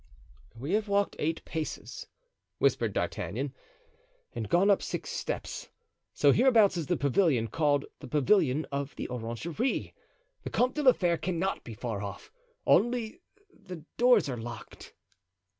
"We have walked eight paces," whispered D'Artagnan, "and gone up six steps, so hereabouts is the pavilion called the pavilion of the orangery. The Comte de la Fere cannot be far off, only the doors are locked."